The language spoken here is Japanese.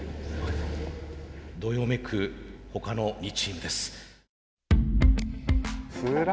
どよめく他の２チームです。